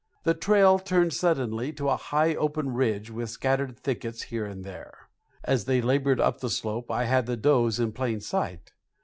The trail turned suddenly to a high open ridge with scattered thickets here and there. As they labored up the slope I had the does in plain sight.